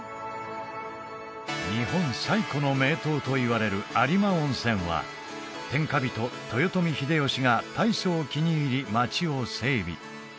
日本最古の名湯といわれる有馬温泉は天下人豊臣秀吉が大層気に入り街を整備